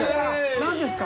何ですか？